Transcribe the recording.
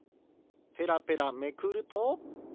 ペラペラめくると。